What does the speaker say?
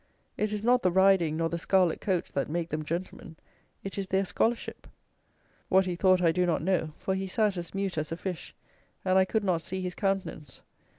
It is not the riding, nor the scarlet coats, that make them gentlemen; it is their scholarship." What he thought I do not know; for he sat as mute as a fish, and I could not see his countenance.